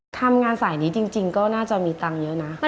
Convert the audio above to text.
ทำงานสายนี้จริงก็น่าจะมีตังค์เยอะนะ